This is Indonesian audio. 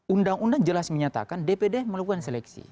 undang undang jelas menyatakan dpd melakukan seleksi